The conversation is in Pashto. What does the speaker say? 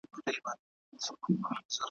دې پردۍ زړې کیږدۍ ته بې سرپوښه لوی جهان ته `